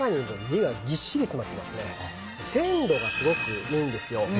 鮮度がすごくいいんですよ。